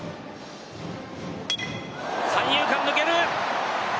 三遊間抜ける。